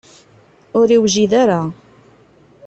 Ur yewjid ara.